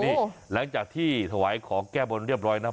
นี่หลังจากที่ถวายของแก้บนเรียบร้อยนะ